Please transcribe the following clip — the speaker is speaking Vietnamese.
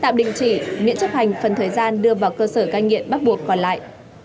miễn chấp hành phần thời gian đưa vào cơ sở cai nghiệm bắt buộc còn lại